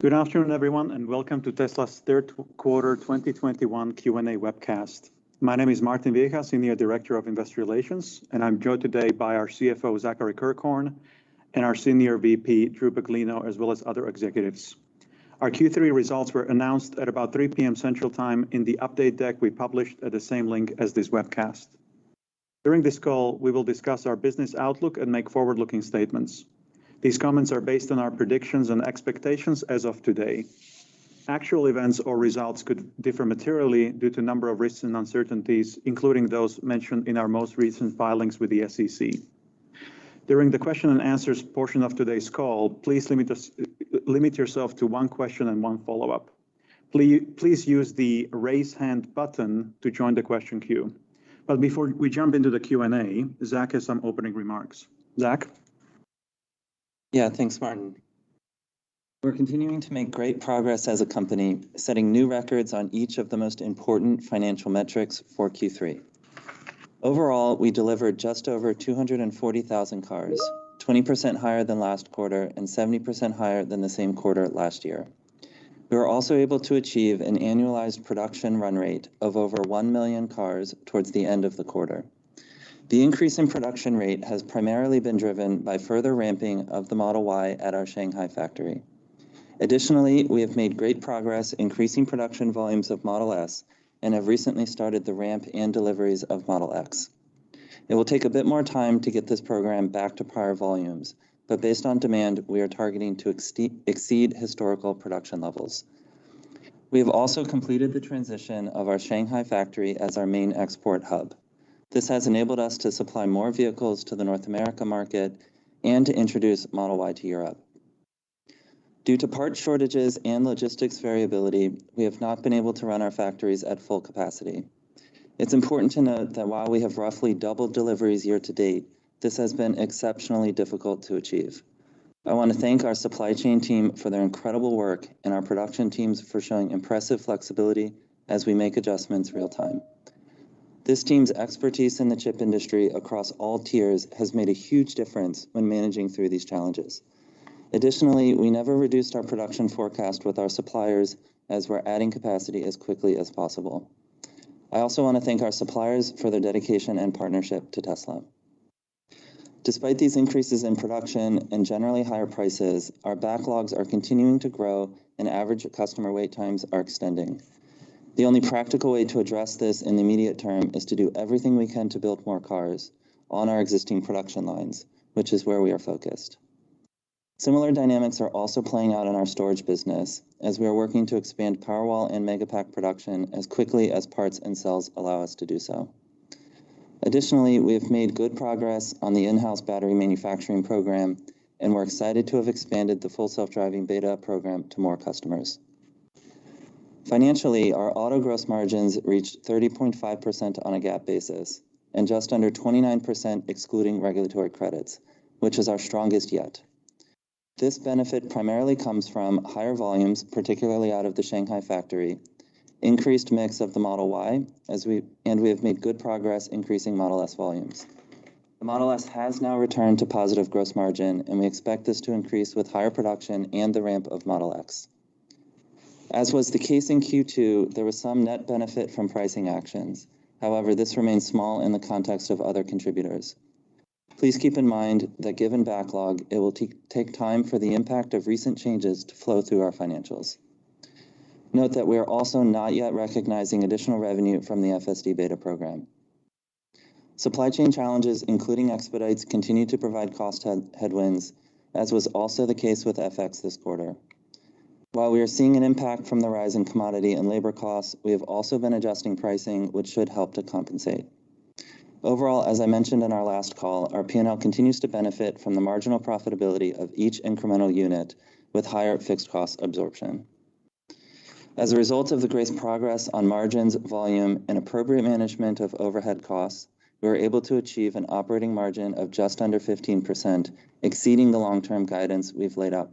Good afternoon, everyone, and welcome to Tesla's third quarter 2021 Q&A webcast. My name is Martin Viecha, Senior Director of Investor Relations, and I am joined today by our Chief Financial Officer, Zachary Kirkhorn, and our Senior Vice President, Drew Baglino, as well as other executives. Our Q3 results were announced at about 3:00 P.M. Central Time in the update deck we published at the same link as this webcast. During this call, we will discuss our business outlook and make forward-looking statements. These comments are based on our predictions and expectations as of today. Actual events or results could differ materially due to a number of risks and uncertainties, including those mentioned in our most recent filings with the SEC. During the question and answers portion of today's call, please limit yourself to one question and one follow-up. Please use the raise hand button to join the question queue. Before we jump into the Q&A, Zach has some opening remarks. Zach? Thanks, Martin. We're continuing to make great progress as a company, setting new records on each of the most important financial metrics for Q3. Overall, we delivered just over 240,000 cars, 20% higher than last quarter and 70% higher than the same quarter last year. We were also able to achieve an annualized production run rate of over one million cars towards the end of the quarter. The increase in production rate has primarily been driven by further ramping of the Model Y at our Shanghai factory. Additionally, we have made great progress increasing production volumes of Model S and have recently started the ramp and deliveries of Model X. It will take a bit more time to get this program back to prior volumes, but based on demand, we are targeting to exceed historical production levels. We have also completed the transition of our Shanghai factory as our main export hub. This has enabled us to supply more vehicles to the North America market and to introduce Model Y to Europe. Due to part shortages and logistics variability, we have not been able to run our factories at full capacity. It's important to note that while we have roughly doubled deliveries year to date, this has been exceptionally difficult to achieve. I want to thank our supply chain team for their incredible work and our production teams for showing impressive flexibility as we make adjustments real time. This team's expertise in the chip industry across all tiers has made a huge difference when managing through these challenges. Additionally, we never reduced our production forecast with our suppliers, as we're adding capacity as quickly as possible. I also want to thank our suppliers for their dedication and partnership to Tesla. Despite these increases in production and generally higher prices, our backlogs are continuing to grow, and average customer wait times are extending. The only practical way to address this in the immediate term is to do everything we can to build more cars on our existing production lines, which is where we are focused. Similar dynamics are also playing out in our storage business as we are working to expand Powerwall and Megapack production as quickly as parts and cells allow us to do so. Additionally, we have made good progress on the in-house battery manufacturing program, and we're excited to have expanded the Full Self-Driving beta program to more customers. Financially, our auto gross margins reached 30.5% on a GAAP basis and just under 29% excluding regulatory credits, which is our strongest yet. This benefit primarily comes from higher volumes, particularly out of the Shanghai factory, increased mix of the Model Y, and we have made good progress increasing Model S volumes. The Model S has now returned to positive gross margin, and we expect this to increase with higher production and the ramp of Model X. As was the case in Q2, there was some net benefit from pricing actions. This remains small in the context of other contributors. Please keep in mind that given backlog, it will take time for the impact of recent changes to flow through our financials. Note that we are also not yet recognizing additional revenue from the FSD Beta program. Supply chain challenges, including expedites, continue to provide cost headwinds, as was also the case with FX this quarter. While we are seeing an impact from the rise in commodity and labor costs, we have also been adjusting pricing, which should help to compensate. Overall, as I mentioned in our last call, our P&L continues to benefit from the marginal profitability of each incremental unit with higher fixed cost absorption. As a result of the great progress on margins, volume, and appropriate management of overhead costs, we were able to achieve an operating margin of just under 15%, exceeding the long-term guidance we've laid out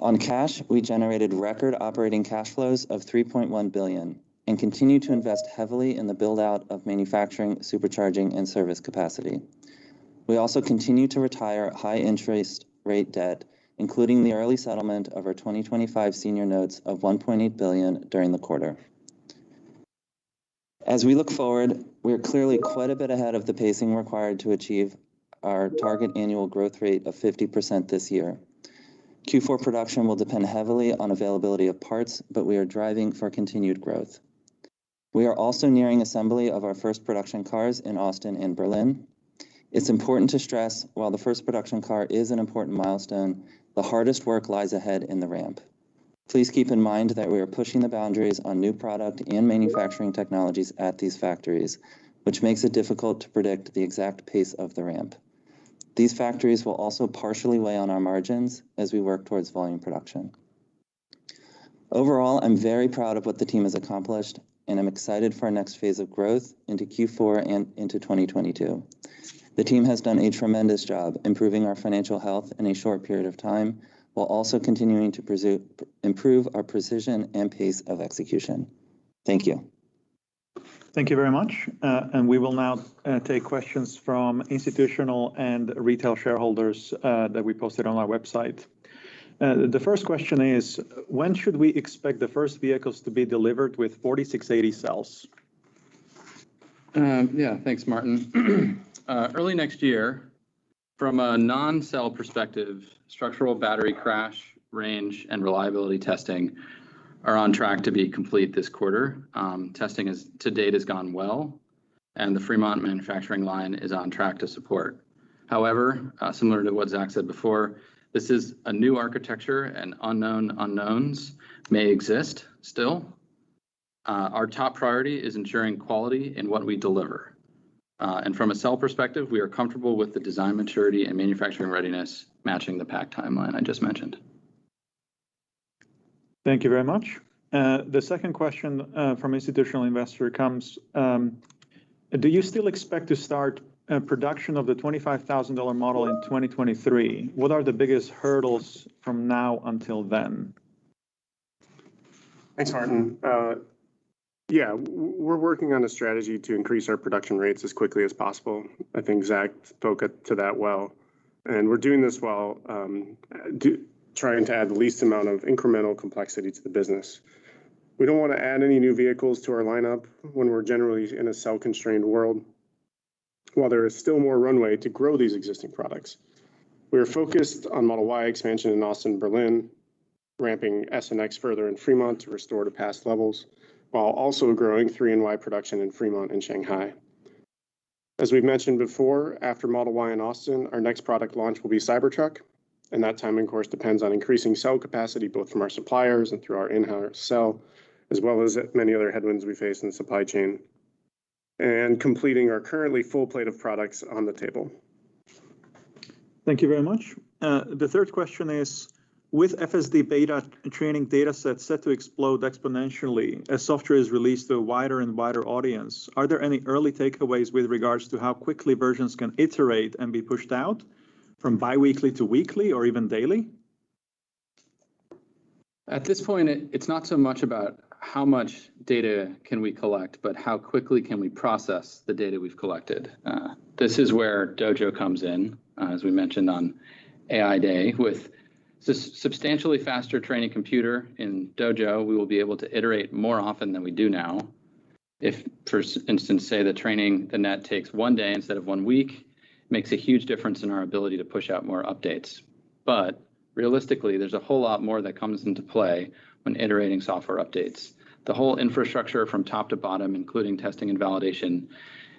previously. On cash, we generated record operating cash flows of $3.1 billion and continue to invest heavily in the build-out of manufacturing, Supercharging, and service capacity. We also continue to retire high-interest rate debt, including the early settlement of our 2025 senior notes of $1.8 billion during the quarter. As we look forward, we are clearly quite a bit ahead of the pacing required to achieve our target annual growth rate of 50% this year. Q4 production will depend heavily on availability of parts, but we are driving for continued growth. We are also nearing assembly of our first production cars in Austin and Berlin. It's important to stress while the first production car is an important milestone, the hardest work lies ahead in the ramp. Please keep in mind that we are pushing the boundaries on new product and manufacturing technologies at these factories, which makes it difficult to predict the exact pace of the ramp. These factories will also partially weigh on our margins as we work towards volume production. Overall, I'm very proud of what the team has accomplished, and I'm excited for our next phase of growth into Q4 and into 2022. The team has done a tremendous job improving our financial health in a short period of time while also continuing to improve our precision and pace of execution. Thank you. Thank you very much. We will now take questions from institutional and retail shareholders that we posted on our website. The first question is: when should we expect the first vehicles to be delivered with 4680 cells? Yeah, thanks, Martin. Early next year. From a non-cell perspective, structural battery crash range and reliability testing are on track to be complete this quarter. Testing to date has gone well, and the Fremont manufacturing line is on track to support. However, similar to what Zach said before, this is a new architecture and unknown unknowns may exist still. Our top priority is ensuring quality in what we deliver. From a cell perspective, we are comfortable with the design maturity and manufacturing readiness matching the pack timeline I just mentioned. Thank you very much. The second question from institutional investor comes: do you still expect to start production of the $25,000 model in 2023? What are the biggest hurdles from now until then? Thanks, Martin. Yeah, we're working on a strategy to increase our production rates as quickly as possible. I think Zach spoke to that well, and we're doing this while trying to add the least amount of incremental complexity to the business. We don't want to add any new vehicles to our lineup when we're generally in a cell-constrained world, while there is still more runway to grow these existing products. We are focused on Model Y expansion in Austin and Berlin, ramping Model S and Model X further in Fremont to restore to past levels, while also growing Model 3 and Model Y production in Fremont and Shanghai. As we've mentioned before, after Model Y in Austin, our next product launch will be Cybertruck, that timing, of course, depends on increasing cell capacity both from our suppliers and through our in-house cell, as well as many other headwinds we face in the supply chain. Completing our currently full plate of products on the table. Thank you very much. The third question is: with FSD Beta training data sets set to explode exponentially as software is released to a wider and wider audience, are there any early takeaways with regards to how quickly versions can iterate and be pushed out from biweekly to weekly or even daily? At this point, it's not so much about how much data can we collect, but how quickly can we process the data we've collected. This is where Dojo comes in, as we mentioned on AI Day. With substantially faster training computer in Dojo, we will be able to iterate more often than we do now. If, for instance, Say, the training, the net takes one day instead of one week, makes a huge difference in our ability to push out more updates. Realistically, there's a whole lot more that comes into play when iterating software updates. The whole infrastructure from top to bottom, including testing and validation,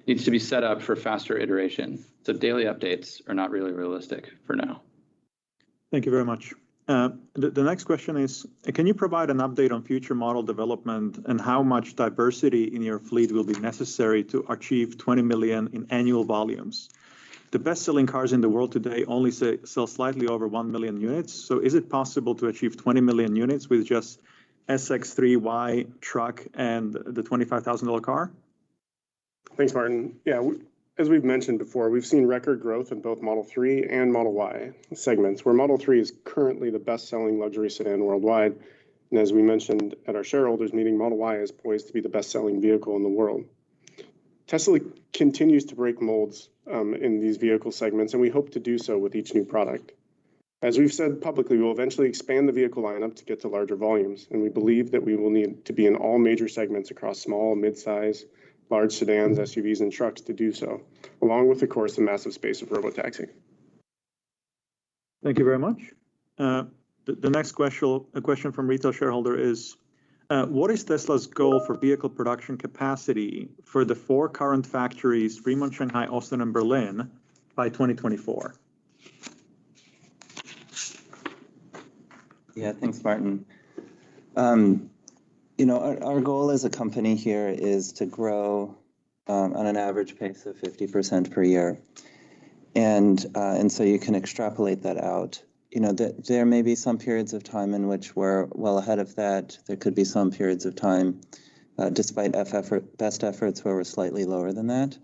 needs to be set up for faster iteration. Daily updates are not really realistic for now. Thank you very much. The next question is: Can you provide an update on future model development and how much diversity in your fleet will be necessary to achieve 20 million in annual volumes? The best-selling cars in the world today only sell slightly over one million units. Is it possible to achieve 20 million units with just SX, 3, Y, truck, and the $25,000 car? Thanks, Martin. Yeah, as we've mentioned before, we've seen record growth in both Model 3 and Model Y segments, where Model 3 is currently the best-selling luxury sedan worldwide. As we mentioned at our shareholders' meeting, Model Y is poised to be the best-selling vehicle in the world. Tesla continues to break molds in these vehicle segments. We hope to do so with each new product. As we've said publicly, we'll eventually expand the vehicle lineup to get to larger volumes. We believe that we will need to be in all major segments across small, mid-size, large sedans, SUVs, and trucks to do so. Along with, of course, the massive space of Robotaxi. Thank you very much. The next question, a question from retail shareholder is: what is Tesla's goal for vehicle production capacity for the four current factories, Fremont, Shanghai, Austin, and Berlin, by 2024? Yeah. Thanks, Martin. Our goal as a company here is to grow on an average pace of 50% per year. You can extrapolate that out. There may be some periods of time in which we're well ahead of that. There could be some periods of time, despite best efforts, where we're slightly lower than that.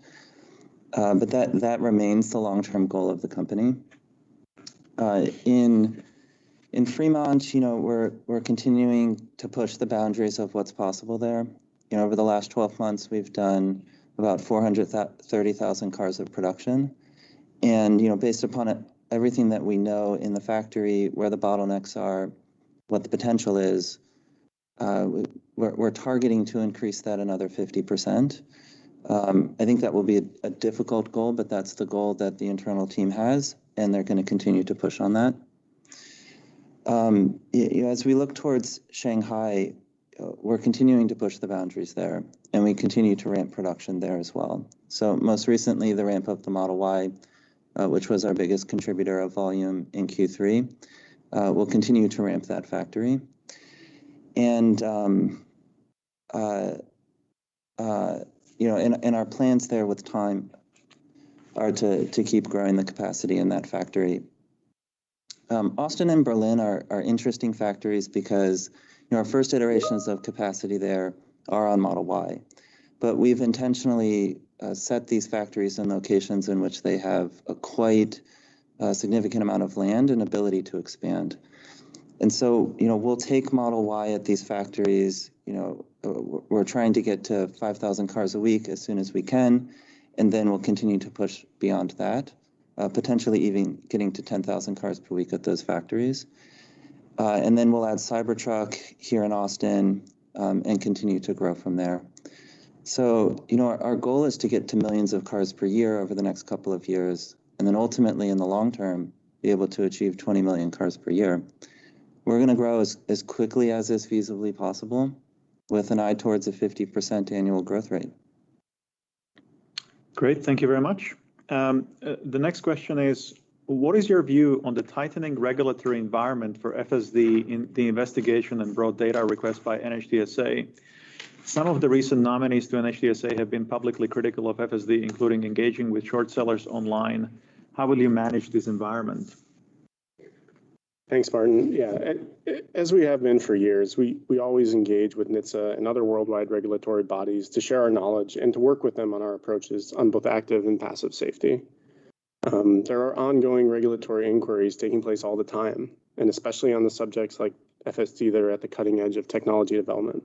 That remains the long-term goal of the company. In Fremont, we're continuing to push the boundaries of what's possible there. Over the last 12 months, we've done about 430,000 cars of production. Based upon everything that we know in the factory, where the bottlenecks are, what the potential is, we're targeting to increase that another 50%. I think that will be a difficult goal, but that's the goal that the internal team has, and they're going to continue to push on that. We look towards Shanghai, we're continuing to push the boundaries there, we continue to ramp production there as well. Most recently, the ramp of the Model Y, which was our biggest contributor of volume in Q3. We'll continue to ramp that factory. Our plans there with time are to keep growing the capacity in that factory. Austin and Berlin are interesting factories because our first iterations of capacity there are on Model Y. We've intentionally set these factories in locations in which they have a quite significant amount of land and ability to expand. We'll take Model Y at these factories. We're trying to get to 5,000 cars a week as soon as we can, we'll continue to push beyond that, potentially even getting to 10,000 cars per week at those factories. Then we'll add Cybertruck here in Austin, and continue to grow from there. Our goal is to get to millions of cars per year over the next couple of years, and then ultimately, in the long term, be able to achieve 20 million cars per year. We're going to grow as quickly as is feasibly possible with an eye towards a 50% annual growth rate. Great. Thank you very much. The next question is, "What is your view on the tightening regulatory environment for FSD in the investigation and broad data request by NHTSA? Some of the recent nominees to NHTSA have been publicly critical of FSD, including engaging with short sellers online. How will you manage this environment? Thanks, Martin. Yeah. As we have been for years, we always engage with NHTSA and other worldwide regulatory bodies to share our knowledge and to work with them on our approaches on both active and passive safety. There are ongoing regulatory inquiries taking place all the time, and especially on the subjects like FSD that are at the cutting edge of technology development.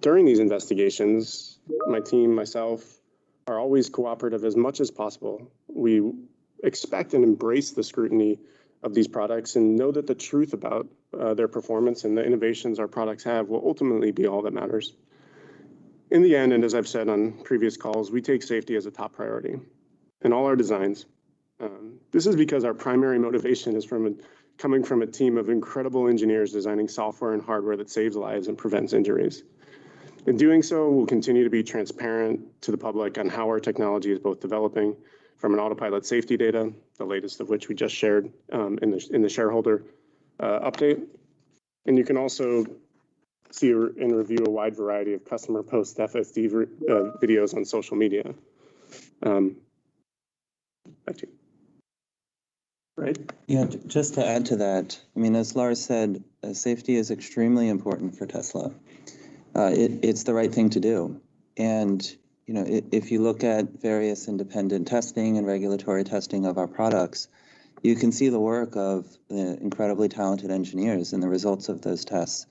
During these investigations, my team, myself, are always cooperative as much as possible. We expect and embrace the scrutiny of these products and know that the truth about their performance and the innovations our products have will ultimately be all that matters. In the end, and as I've said on previous calls, we take safety as a top priority in all our designs. This is because our primary motivation is coming from a team of incredible engineers designing software and hardware that saves lives and prevents injuries. In doing so, we'll continue to be transparent to the public on how our technology is both developing from an Autopilot safety data, the latest of which we just shared in the shareholder update. You can also see and review a wide variety of customer post FSD videos on social media. Back to you. Zach? Yeah, just to add to that, as Lars said, safety is extremely important for Tesla. It's the right thing to do. If you look at various independent testing and regulatory testing of our products, you can see the work of the incredibly talented engineers and the results of those tests.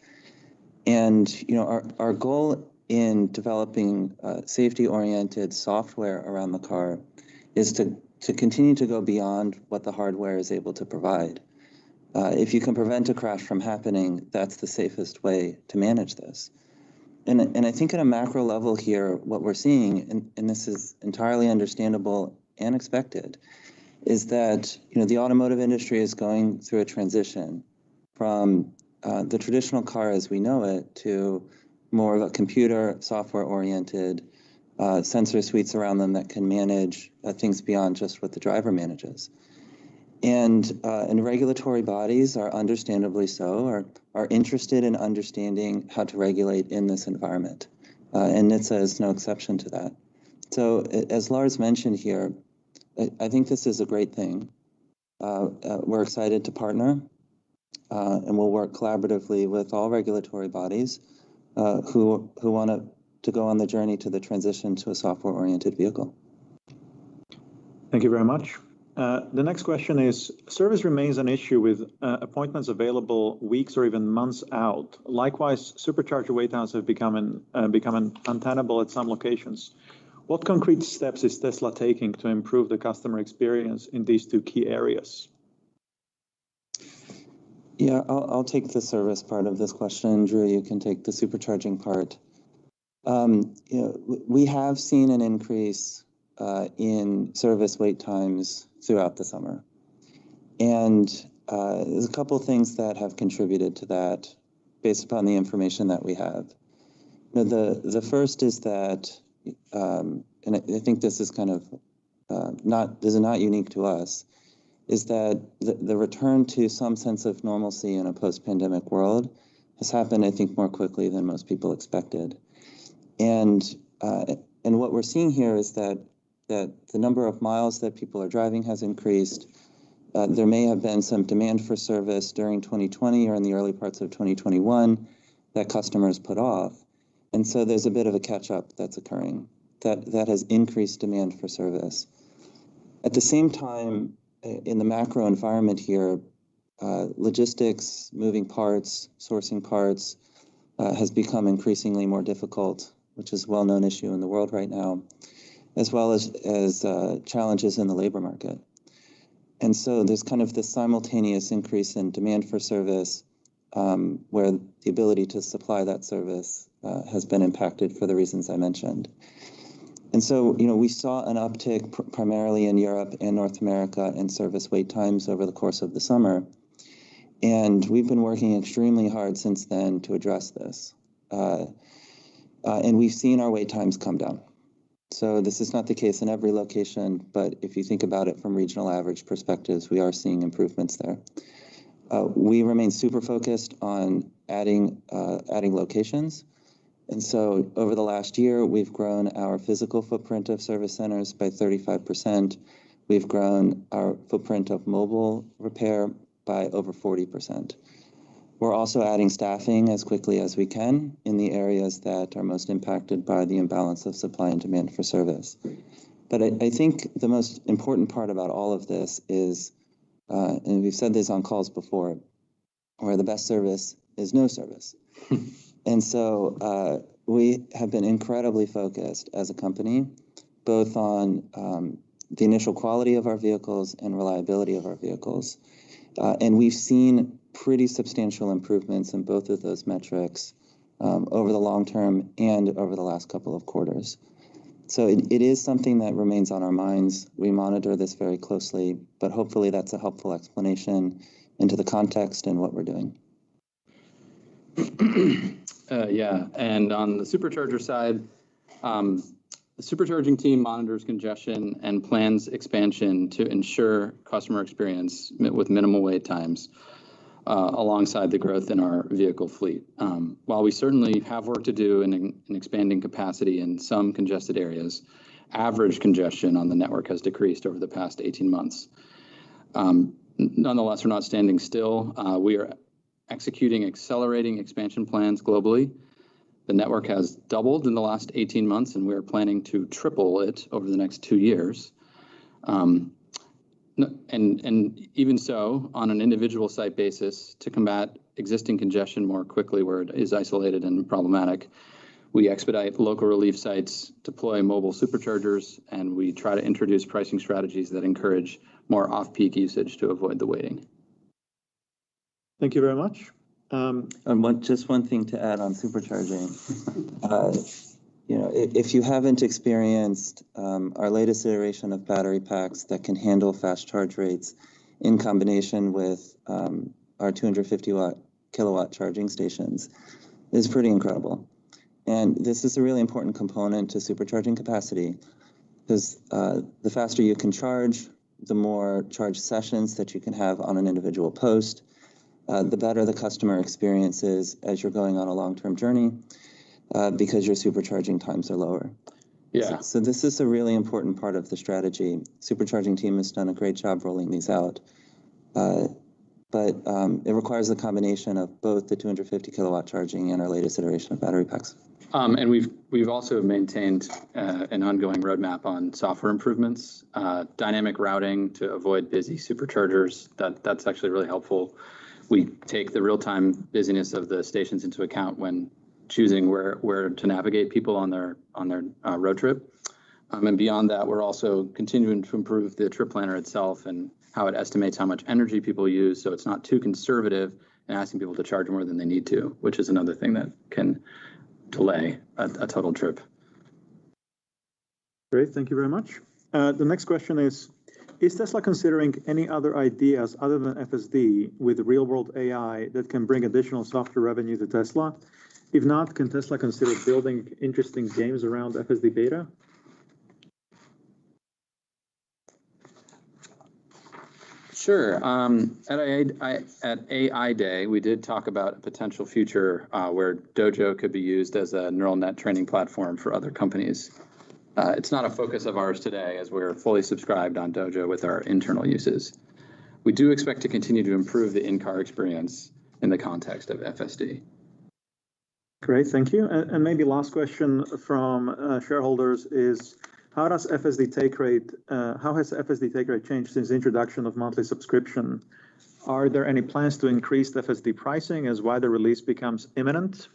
Our goal in developing safety-oriented software around the car is to continue to go beyond what the hardware is able to provide. If you can prevent a crash from happening, that's the safest way to manage this. I think at a macro level here, what we're seeing, and this is entirely understandable and expected, is that the automotive industry is going through a transition from the traditional car as we know it to more of a computer software-oriented sensor suites around them that can manage things beyond just what the driver manages. Regulatory bodies are understandably so, are interested in understanding how to regulate in this environment. NHTSA is no exception to that. As Lars mentioned here, I think this is a great thing. We're excited to partner, and we'll work collaboratively with all regulatory bodies, who want to go on the journey to the transition to a software-oriented vehicle. Thank you very much. The next question is, "Service remains an issue with appointments available weeks or even months out. Likewise, Supercharger wait times have become untenable at some locations. What concrete steps is Tesla taking to improve the customer experience in these two key areas? Yeah, I'll take the service part of this question. Drew, you can take the Supercharging part. We have seen an increase in service wait times throughout the summer. There's couple of things that have contributed to that based upon the information that we have. The first is that, and I think this is not unique to us, is that the return to some sense of normalcy in a post-pandemic world has happened, I think, more quickly than most people expected. What we're seeing here is that the number of miles that people are driving has increased. There may have been some demand for service during 2020 or in the early parts of 2021 that customers put off. So there's a bit of a catch-up that's occurring that has increased demand for service. At the same time, in the macro environment here, logistics, moving parts, sourcing parts, has become increasingly more difficult, which is a well-known issue in the world right now, as well as challenges in the labor market. There's this simultaneous increase in demand for service, where the ability to supply that service has been impacted for the reasons I mentioned. We saw an uptick primarily in Europe and North America in service wait times over the course of the summer, and we've been working extremely hard since then to address this. We've seen our wait times come down. This is not the case in every location, but if you think about it from regional average perspectives, we are seeing improvements there. We remain super focused on adding locations. Over the last year, we've grown our physical footprint of service centers by 35%. We've grown our footprint of mobile repair by over 40%. We're also adding staffing as quickly as we can in the areas that are most impacted by the imbalance of supply and demand for service. I think the most important part about all of this is, and we've said this on calls before. The best service is no service. We have been incredibly focused as a company, both on the initial quality of our vehicles and reliability of our vehicles. We've seen pretty substantial improvements in both of those metrics over the long term and over the last couple of quarters. It is something that remains on our minds. We monitor this very closely, but hopefully, that's a helpful explanation into the context and what we're doing. Yeah. On the Supercharger side, the Supercharging team monitors congestion and plans expansion to ensure customer experience with minimal wait times, alongside the growth in our vehicle fleet. While we certainly have work to do in expanding capacity in some congested areas, average congestion on the network has decreased over the past 18 months. Nonetheless, we're not standing still. We are executing accelerating expansion plans globally. The network has doubled in the last 18 months, and we are planning to triple it over the next two years. Even so, on an individual site basis, to combat existing congestion more quickly where it is isolated and problematic, we expedite local relief sites, deploy mobile Superchargers, and we try to introduce pricing strategies that encourage more off-peak usage to avoid the waiting. Thank you very much. Just one thing to add on Supercharging. If you haven't experienced our latest iteration of battery packs that can handle fast charge rates in combination with our 250 kW charging stations, it's pretty incredible. This is a really important component to Supercharging capacity, because, the faster you can charge, the more charge sessions that you can have on an individual post, the better the customer experience is as you're going on a long-term journey, because your Supercharging times are lower. Yeah. This is a really important part of the strategy. Supercharging team has done a great job rolling these out. It requires a combination of both the 250 kW charging and our latest iteration of battery packs. We've also maintained an ongoing roadmap on software improvements, dynamic routing to avoid busy Superchargers. That's actually really helpful. We take the real-time busyness of the stations into account when choosing where to navigate people on their road trip. Beyond that, we're also continuing to improve the trip planner itself and how it estimates how much energy people use, so it's not too conservative and asking people to charge more than they need to, which is another thing that can delay a total trip. Great. Thank you very much. The next question is: Is Tesla considering any other ideas other than FSD with real-world AI that can bring additional software revenue to Tesla? If not, can Tesla consider building interesting games around FSD Beta? Sure. At AI Day, we did talk about a potential future, where Dojo could be used as a neural net training platform for other companies. It's not a focus of ours today, as we're fully subscribed on Dojo with our internal uses. We do expect to continue to improve the in-car experience in the context of FSD. Great. Thank you. Maybe last question from shareholders is, how has FSD take rate changed since the introduction of monthly subscription? Are there any plans to increase FSD pricing as wider release becomes imminent?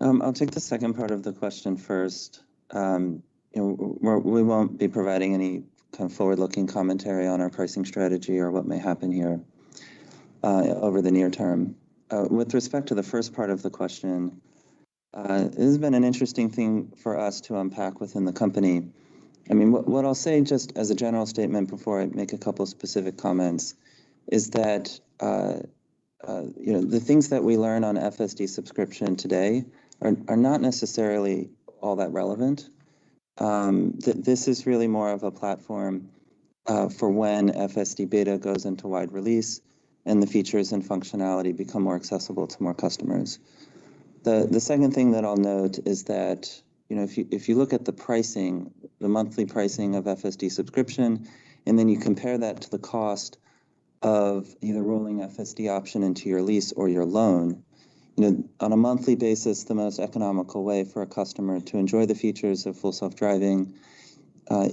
I'll take the second part of the question first. We won't be providing any forward-looking commentary on our pricing strategy or what may happen here over the near term. With respect to the first part of the question, this has been an interesting thing for us to unpack within the company. What I'll say just as a general statement before I make a couple specific comments is that the things that we learn on FSD subscription today are not necessarily all that relevant. This is really more of a platform for when FSD Beta goes into wide release and the features and functionality become more accessible to more customers. The second thing that I'll note is that if you look at the monthly pricing of FSD subscription, and then you compare that to the cost of either rolling FSD option into your lease or your loan, on a monthly basis, the most economical way for a customer to enjoy the features of Full Self-Driving,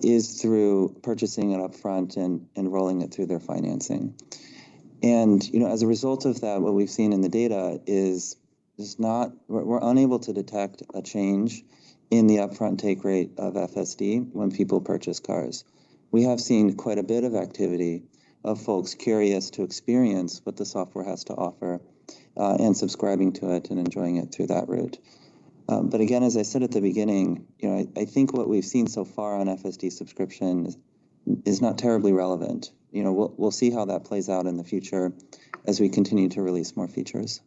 is through purchasing it upfront and enrolling it through their financing. As a result of that, what we've seen in the data is we're unable to detect a change in the upfront take rate of FSD when people purchase cars. We have seen quite a bit of activity of folks curious to experience what the software has to offer, and subscribing to it and enjoying it through that route. Again, as I said at the beginning, I think what we've seen so far on FSD subscription is not terribly relevant. We'll see how that plays out in the future as we continue to release more features.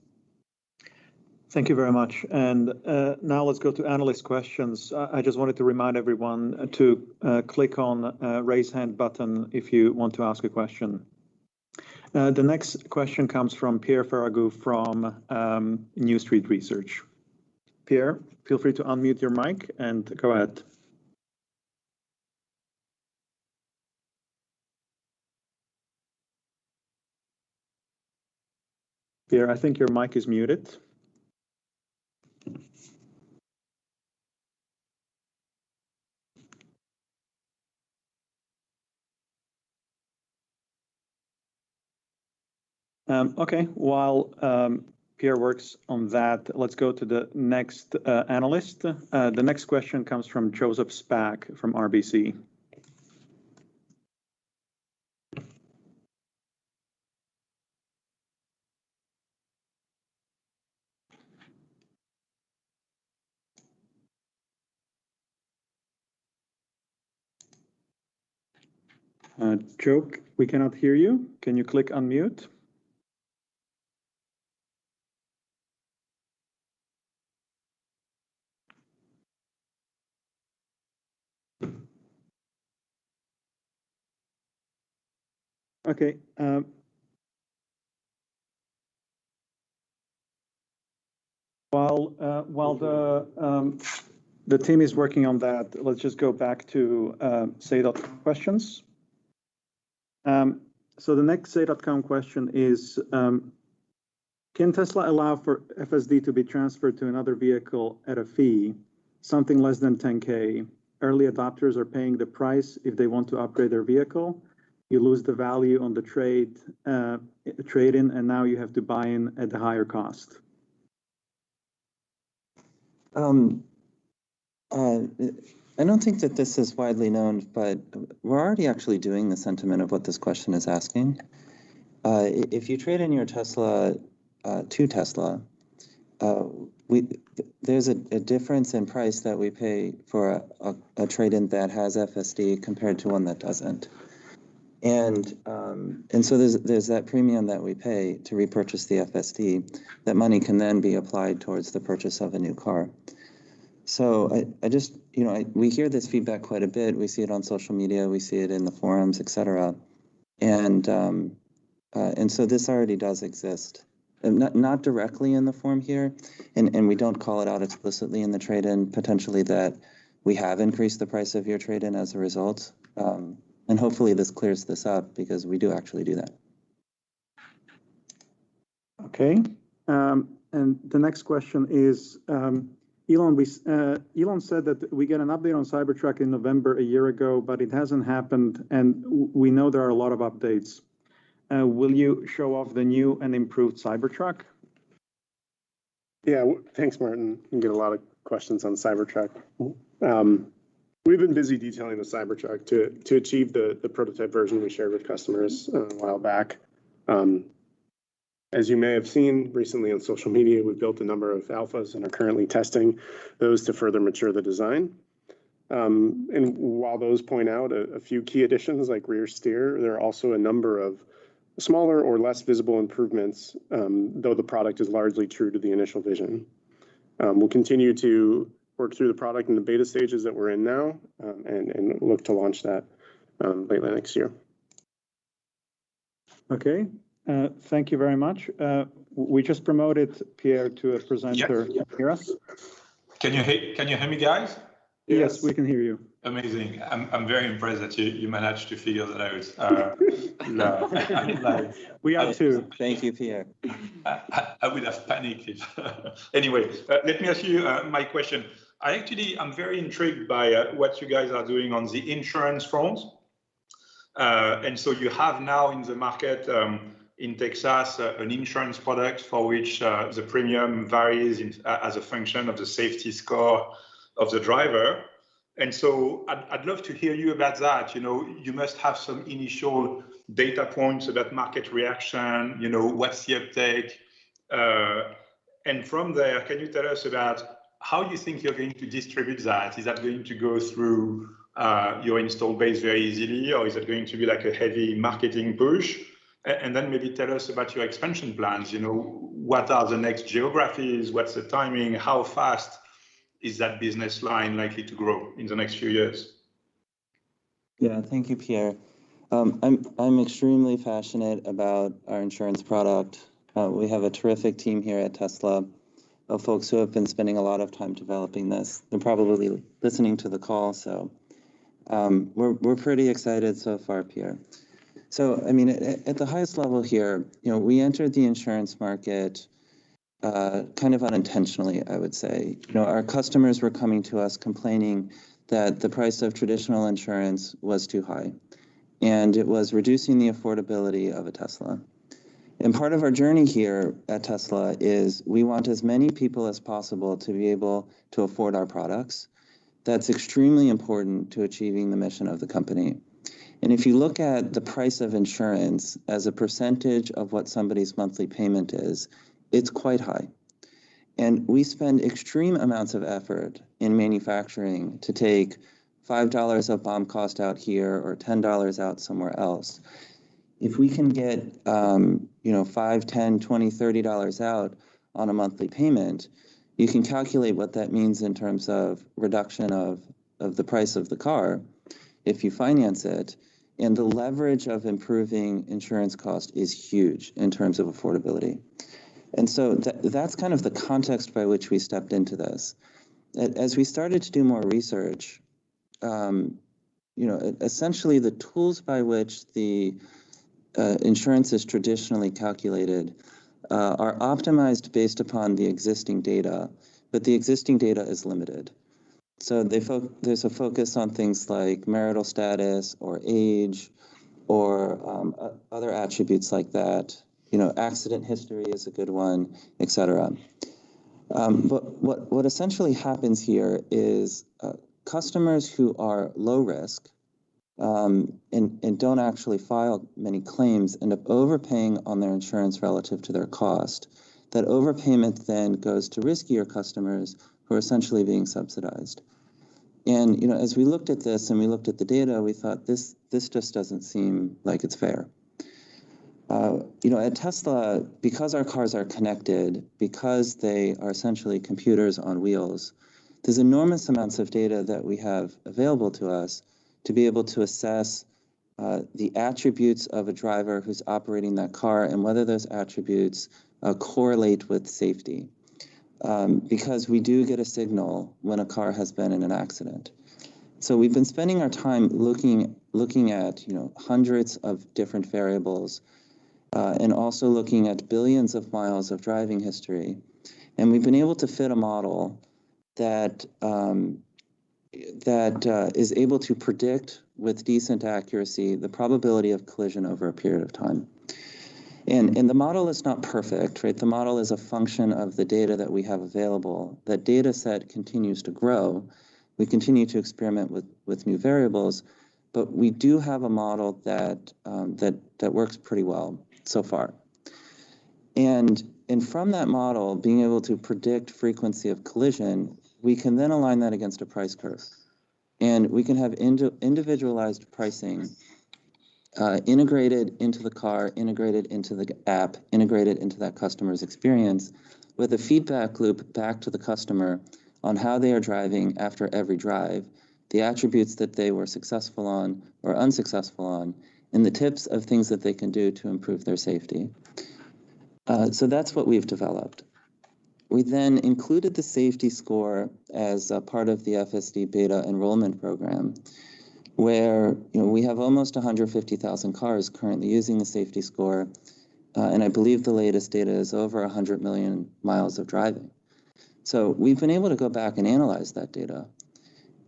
Thank you very much. Now let's go to analyst questions. I just wanted to remind everyone to click on Raise Hand button if you want to ask a question. The next question comes from Pierre Ferragu from New Street Research. Pierre, feel free to unmute your mic and go ahead. Pierre, I think your mic is muted. Okay. While Pierre works on that, let's go to the next analyst. The next question comes from Joseph Spak from RBC. Joe, we cannot hear you. Can you click unmute? Okay. While the team is working on that, let's just go back to Say questions. The next Say question is, "Can Tesla allow for FSD to be transferred to another vehicle at a fee, something less than 10,000?" Early adopters are paying the price if they want to upgrade their vehicle. You lose the value on the trade-in, and now you have to buy in at a higher cost. I don't think that this is widely known, but we're already actually doing the sentiment of what this question is asking. If you trade in your Tesla to Tesla, there's a difference in price that we pay for a trade-in that has FSD compared to one that doesn't. There's that premium that we pay to repurchase the FSD. That money can then be applied towards the purchase of a new car. We hear this feedback quite a bit. We see it on social media, we see it in the forums, et cetera. This already does exist, not directly in the form here, and we don't call it out explicitly in the trade-in, potentially that we have increased the price of your trade-in as a result. Hopefully this clears this up because we do actually do that. Okay. The next question is, "Elon said that we'd get an update on Cybertruck in November a year ago, but it hasn't happened and we know there are a lot of updates. Will you show off the new and improved Cybertruck? Yeah. Thanks, Martin. We get a lot of questions on the Cybertruck. We've been busy detailing the Cybertruck to achieve the prototype version we shared with customers a while back. As you may have seen recently on social media, we've built a number of alphas and are currently testing those to further mature the design. While those point out a few key additions, like rear steer, there are also a number of smaller or less visible improvements, though the product is largely true to the initial vision. We'll continue to work through the product in the beta stages that we're in now, and look to launch that late next year. Okay. Thank you very much. We just promoted Pierre to a presenter. Yes. Can you hear us? Can you hear me, guys? Yes, we can hear you. Amazing. I'm very impressed that you managed to figure that. We are too. Thank you, Pierre. I would have panicked. Let me ask you my question. I actually am very intrigued by what you guys are doing on the insurance front. You have now in the market, in Texas, an insurance product for which the premium varies as a function of the safety score of the driver. I'd love to hear you about that. You must have some initial data points about market reaction. What's the uptake? From there, can you tell us about how you think you're going to distribute that? Is that going to go through your install base very easily, or is it going to be like a heavy marketing push? Then maybe tell us about your expansion plans. What are the next geographies? What's the timing? How fast is that business line likely to grow in the next few years? Yeah. Thank you, Pierre. I'm extremely passionate about our insurance product. We have a terrific team here at Tesla of folks who have been spending a lot of time developing this. They're probably listening to the call, so we're pretty excited so far, Pierre. At the highest level here, we entered the insurance market kind of unintentionally, I would say. Our customers were coming to us complaining that the price of traditional insurance was too high, and it was reducing the affordability of a Tesla. Part of our journey here at Tesla is we want as many people as possible to be able to afford our products. That's extremely important to achieving the mission of the company. If you look at the price of insurance as a percentage of what somebody's monthly payment is, it's quite high. We spend extreme amounts of effort in manufacturing to take $5 of BOM cost out here, or $10 out somewhere else. If we can get $5, $10, $20, $30 out on a monthly payment, you can calculate what that means in terms of reduction of the price of the car if you finance it, and the leverage of improving insurance cost is huge in terms of affordability. That's kind of the context by which we stepped into this. As we started to do more research, essentially the tools by which the insurance is traditionally calculated are optimized based upon the existing data, but the existing data is limited. There's a focus on things like marital status or age or other attributes like that. Accident history is a good one, et cetera. What essentially happens here is customers who are low risk, and don't actually file many claims, end up overpaying on their insurance relative to their cost. That overpayment goes to riskier customers who are essentially being subsidized. As we looked at this and we looked at the data, we thought, "This just doesn't seem like it's fair." At Tesla, because our cars are connected, because they are essentially computers on wheels, there's enormous amounts of data that we have available to us to be able to assess the attributes of a driver who's operating that car and whether those attributes correlate with safety. We do get a signal when a car has been in an accident. We've been spending our time looking at hundreds of different variables, and also looking at billions of miles of driving history. We've been able to fit a model that is able to predict, with decent accuracy, the probability of collision over a period of time. The model is not perfect. The model is a function of the data that we have available. That data set continues to grow. We continue to experiment with new variables, but we do have a model that works pretty well so far. From that model, being able to predict frequency of collision, we can then align that against a price curve. We can have individualized pricing integrated into the car, integrated into the app, integrated into that customer's experience with a feedback loop back to the customer on how they are driving after every drive, the attributes that they were successful on or unsuccessful on, and the tips of things that they can do to improve their safety. That's what we've developed. We then included the safety score as a part of the FSD Beta enrollment program, where we have almost 150,000 cars currently using the safety score. I believe the latest data is over 100 million mi of driving. We've been able to go back and analyze that data,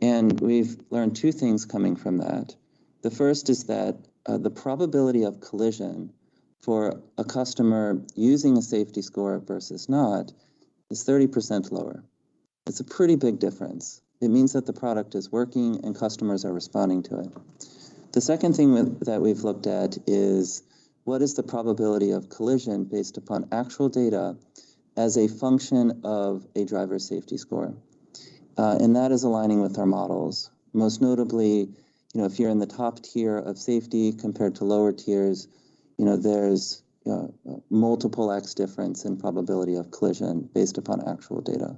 and we've learned two things coming from that. The first is that the probability of collision for a customer using a safety score versus not is 30% lower. It's a pretty big difference. It means that the product is working, and customers are responding to it. The second thing that we've looked at is what is the probability of collision based upon actual data as a function of a driver's safety score. That is aligning with our models. Most notably, if you're in the top tier of safety compared to lower tiers, there's multiple X difference in probability of collision based upon actual data.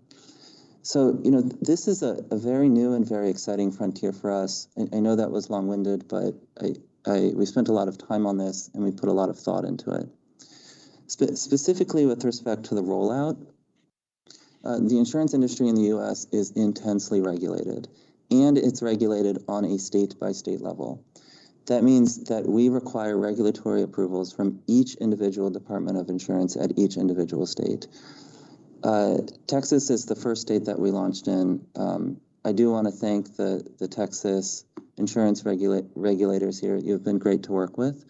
This is a very new and very exciting frontier for us. I know that was long-winded, but we spent a lot of time on this, and we put a lot of thought into it. Specifically with respect to the rollout, the insurance industry in the U.S. is intensely regulated, and it's regulated on a state-by-state level. That means that we require regulatory approvals from each individual department of insurance at each individual state. Texas is the first state that we launched in. I do want to thank the Texas insurance regulators here. You've been great to work with.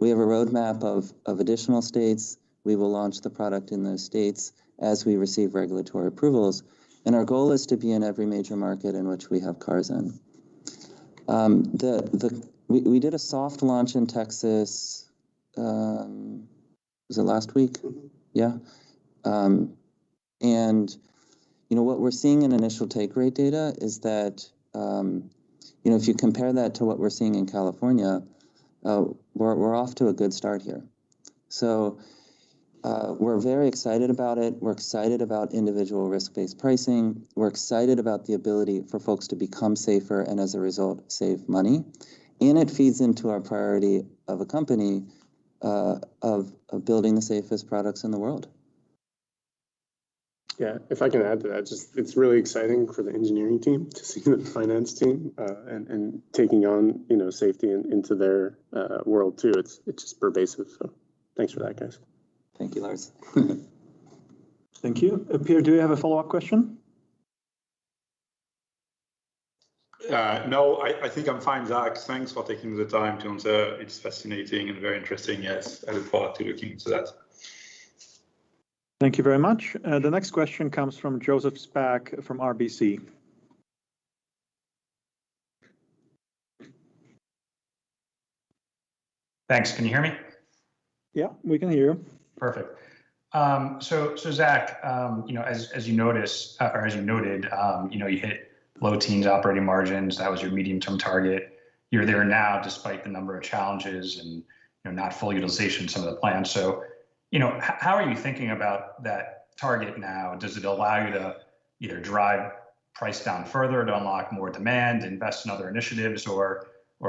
We have a roadmap of additional states. We will launch the product in those states as we receive regulatory approvals, and our goal is to be in every major market in which we have cars in. We did a soft launch in Texas. Was it last week? Yeah. What we're seeing in initial take rate data is that, if you compare that to what we're seeing in California, we're off to a good start here. We're very excited about it. We're excited about individual risk-based pricing. We're excited about the ability for folks to become safer, and as a result, save money. It feeds into our priority of a company, of building the safest products in the world. Yeah. If I can add to that, just it's really exciting for the engineering team to see the finance team, and taking on safety into their world too. It's just pervasive. Thanks for that, guys. Thank you, Lars. Thank you. Pierre, do we have a follow-up question? No, I think I'm fine, Zach. Thanks for taking the time to answer. It's fascinating and very interesting, yes. I look forward to looking into that. Thank you very much. The next question comes from Joseph Spak from RBC. Thanks. Can you hear me? Yeah, we can hear you. Perfect. Zach, as you noted, you hit low teens operating margins. That was your medium-term target. You're there now despite the number of challenges and not full utilization of some of the plans. How are you thinking about that target now? Does it allow you to either drive price down further to unlock more demand, invest in other initiatives, or